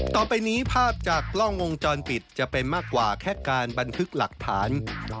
ต่อไปนี้ภาพจากกล้องวงจรปิดจะเป็นมากกว่าแค่การบันทึกหลักฐาน